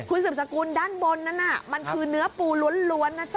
คุณสืบสกุลด้านบนนั้นมันคือเนื้อปูล้วนนะจ๊